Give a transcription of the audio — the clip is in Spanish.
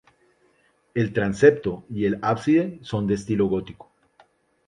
El transepto y el ábside son de estilo gótico.